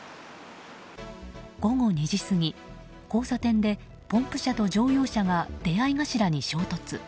午後２時過ぎ、交差点でポンプ車と乗用車が出合い頭に衝突。